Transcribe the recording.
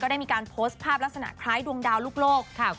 ได้มีการโพสต์ภาพลักษณะคล้ายดวงดาวลูกโลกค่ะ